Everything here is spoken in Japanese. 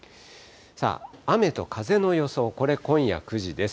雨と風の予想、これ今夜９時です。